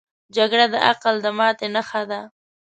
جګړه د عقل د ماتې نښه ده